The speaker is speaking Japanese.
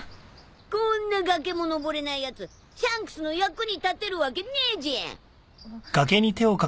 こんな崖も登れないやつシャンクスの役に立てるわけねえじゃん。